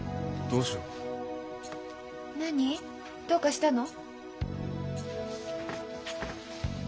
どうかしたの？